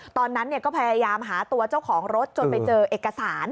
ตอนนั้นก็พยายามหาตัวเจ้าของรถจนไปเจอเอกสาร